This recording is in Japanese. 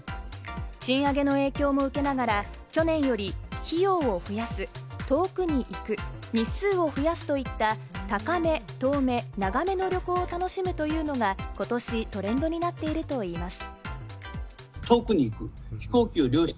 賃上げの影響を受けながら去年より費用を増やす、遠くに行く、日数を増やすといった「高め・遠め・長め」の旅行を楽しむというのが、ことしトレンドになっているといいます。